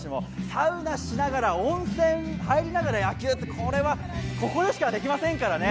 サウナしながら温泉入りながら野球ってこれは、ここでしかできませんからね。